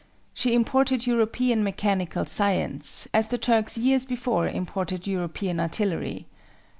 She imported European mechanical science, as the Turks years before imported European artillery.